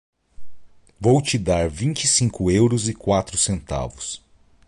Vou te dar vinte e cinco euros e quatro centavos.